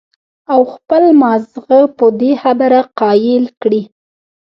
او خپل مازغۀ پۀ دې خبره قائل کړي